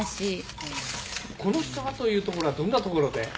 「“この人が”というところはどんなところで？」